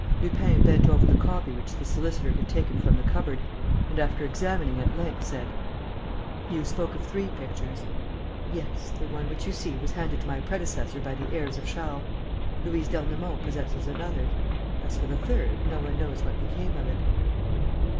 Lupin bent over the copy which the solicitor had taken from the cupboard and, after examining it at length, said: "You spoke of three pictures." "Yes, the one which you see was handed to my predecessor by the heirs of Charles. Louise d'Ernemont possesses another. As for the third, no one knows what became of it."